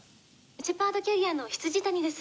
シェパードキャリアの未谷です。